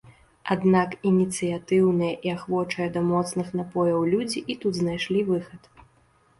Аднак ініцыятыўныя і ахвочыя да моцных напояў людзі і тут знайшлі выхад.